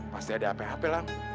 pasti ada hape hape